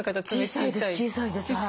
小さいです小さいです。